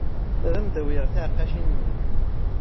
Ad am-d-awyeɣ tiɛeqqacin-nnem.